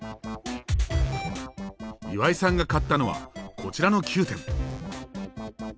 岩井さんが買ったのはこちらの９点。